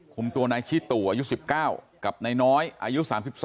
คุมตัวนายชิตู่อายุ๑๙กับนายน้อยอายุ๓๒